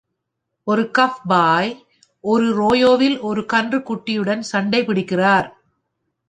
ஒரு கவ்பாய் ஒரு ரோயோவில் ஒரு கன்றுக்குட்டியுடன் சண்டைப் பிடிக்கிறார்.